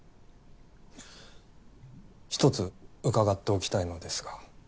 一つ伺っておきたいのですが。